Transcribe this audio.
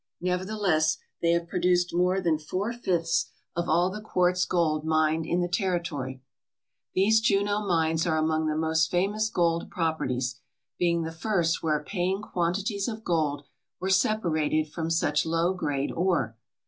Nevertheless, they have produced more than four fifths of all the quartz gold mined in the territory. These Juneau mines are among the most famous gold properties, being the first where paying quantities of gold were separated from such low grade ore.